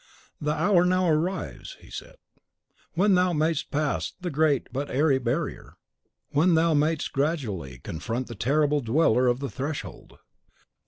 "The hour now arrives," he said, "when thou mayst pass the great but airy barrier, when thou mayst gradually confront the terrible Dweller of the Threshold.